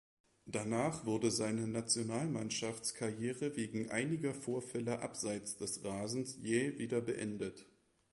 Danach wurde seine Nationalmannschaftskarriere wegen einiger Vorfälle abseits des Rasens jäh wieder beendet.